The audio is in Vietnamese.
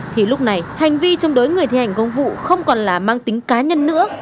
thì lúc này hành vi chống đối người thi hành công vụ không còn là mang tính cá nhân nữa